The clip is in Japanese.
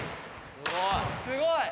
すごい！